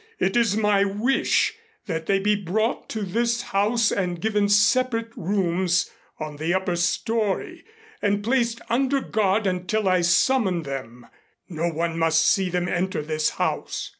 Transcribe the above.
It is my wish that they be brought to this house and given separate rooms on the upper story and placed under guard until I summon them. No one must see them enter this house.